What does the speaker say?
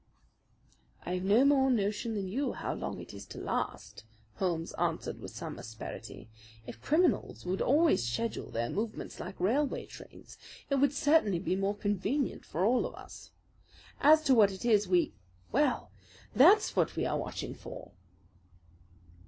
"I have no more notion than you how long it is to last," Holmes answered with some asperity. "If criminals would always schedule their movements like railway trains, it would certainly be more convenient for all of us. As to what it is we Well, THAT'S what we are watching for!"